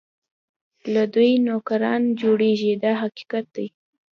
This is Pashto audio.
له دوی نوکران جوړېږي دا حقیقت دی.